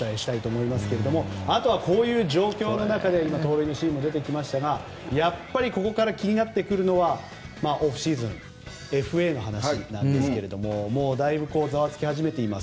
あとは、こういう状況の中で盗塁のシーンも出ましたがやっぱりここから気になってくるのがオフシーズンＦＡの話なんですけどもだいぶ、ざわつき始めています。